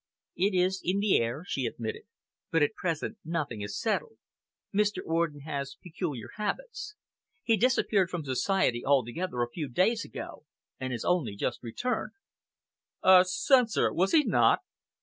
"It is in the air," she admitted, "but at present nothing is settled. Mr. Orden has peculiar habits. He disappeared from Society altogether, a few days ago, and has only just returned." "A censor, was he not?"